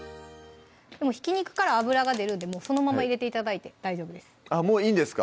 ひき肉から脂が出るんでそのまま入れて頂いて大丈夫ですもういいんですか？